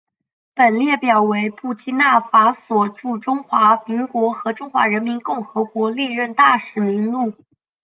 本列表为布基纳法索驻中华民国和中华人民共和国历任大使名录。